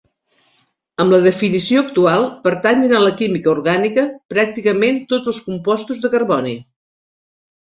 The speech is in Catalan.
Amb la definició actual pertanyen a la química orgànica pràcticament tots els compostos de carboni.